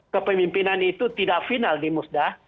kepemimpinan itu tidak final di musda